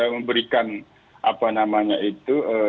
memberikan apa namanya itu